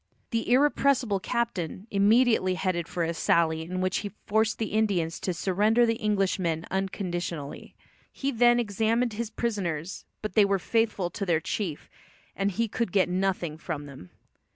The irrepressible Captain immediately headed a sally in which he forced the Indians to surrender the Englishmen unconditionally. He then examined his prisoners, but they were faithful to their chief, and he could get nothing from them.